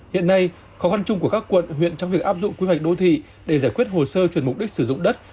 hiện nay khó khăn chung của các quận huyện trong việc áp dụng quy hoạch đô thị để giải quyết hồ sơ chuyển mục đích sử dụng đất